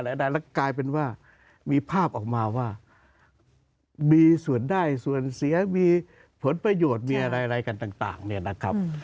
และกลายเป็นว่ามีภาพออกมาว่ามีส่วนได้ส่วนเสียมีผลประโยชน์มีอะไรกันต่างเนี่ยนะครับ